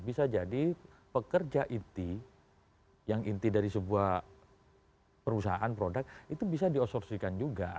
bisa jadi pekerja inti yang inti dari sebuah perusahaan produk itu bisa diosorpsikan juga